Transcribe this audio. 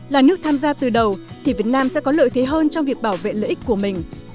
là nước tham gia từ đầu thì việt nam sẽ có lợi thế hơn trong việc bảo vệ lợi ích của mình